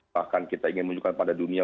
bahkan kita ingin menunjukkan pada dunia